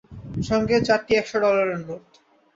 সঙ্গে চারটি এক শ ডলারের নোট।